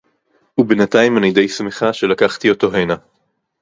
וּבֵינְתַיִים אֲנִי דֵי שִׂמְחָה שֶלָקַחְתִי אוֹתוֹ הֵנָה.